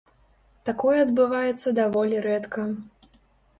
Такое адбываецца даволі рэдка.